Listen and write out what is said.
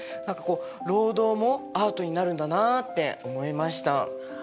何かこう労働もアートになるんだなあって思いました。